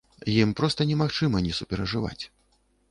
Ім проста немагчыма не суперажываць.